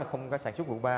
không sản xuất vụ ba